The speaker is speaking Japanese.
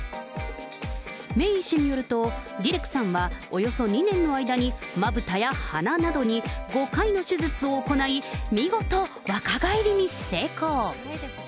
メイ医師によると、ディレクさんは、およそ２年の間にまぶたや鼻などに５回の手術を行い、見事、若返りに成功。